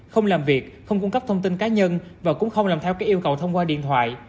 không làm việc không cung cấp thông tin cá nhân và cũng không làm theo các yêu cầu thông qua điện thoại